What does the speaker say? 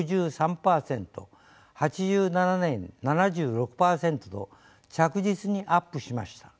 ８７年７６％と着実にアップしました。